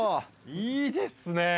いいですね。